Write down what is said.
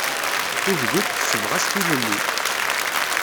Tugdut tessebɣas tilelli.